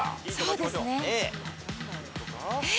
そうですね。え？